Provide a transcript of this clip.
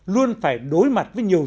luôn phải đối mặt với nhiều người